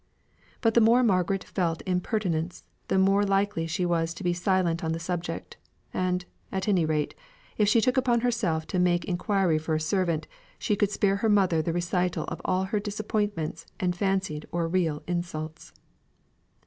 But the more Margaret felt impertinence, the more likely she was to be silent on the subject; and, at any rate, if she took upon herself to make inquiry for a servant, she could spare her mother the recital of all her disappointments and fancied or real insults.